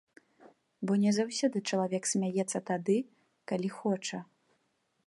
Бо не заўсёды чалавек смяецца тады, калі хоча.